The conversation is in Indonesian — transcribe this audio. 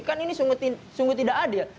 kan ini sungguh tidak adil